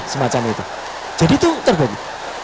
semacam itu jadi itu terbukti